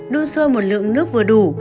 đun sôi một lượng nước vừa đủ